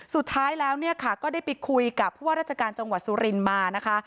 สุดท้ายแล้วเนี่ยค่ะก็ได้ไปคุยกับผู้ว่าราชการจังหวัดสุรินทร์มานะคะ